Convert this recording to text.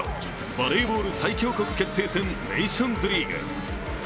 バレーボール最強国決定戦ネーションズリーグ。